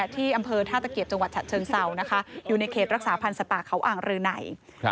ที่อำเภอท่าตะเกียบจังหวัดฉะเชิงเศร้านะคะอยู่ในเขตรักษาพันธ์สัตว์ป่าเขาอ่างรือไหน